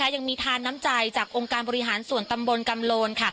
ยังมีทานน้ำใจจากองค์การบริหารส่วนตำบลกำโลน